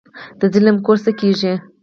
د ظالم کور څه کیږي؟